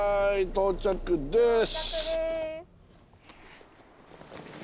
到着です。